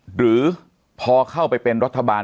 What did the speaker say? หรือพอเข้าไปเป็นรัฐบาล